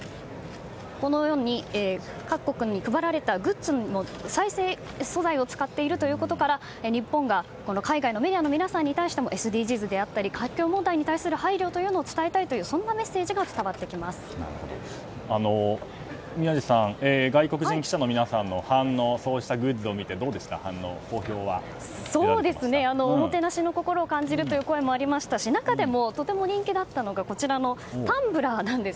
このように各国に配られたグッズも再生素材を使っているということから日本が海外のメディアの皆さんに対してもＳＤＧｓであったり環境問題の配慮を伝えたいという宮司さん外国人記者の皆さんの反応そうしたグッズを見ておもてなしの心を感じるという声もありましたし中でもとても人気だったのがこちらのタンブラーなんです。